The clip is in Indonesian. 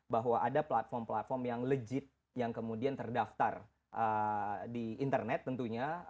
bahwa ada platform platform yang legit yang kemudian terdaftar di internet tentunya